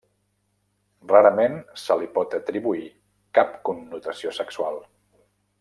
Rarament se li pot atribuir cap connotació sexual.